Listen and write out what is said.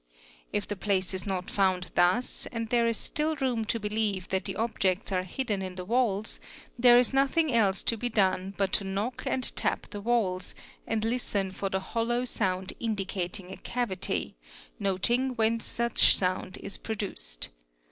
If the piace is not found thus and there is still room to believe that the objects are hidden in the walls there is nothing else to be done but to knock nd tap the walls and listen for the hollow sound indicating a cavity, gpoting whence such sound is produced.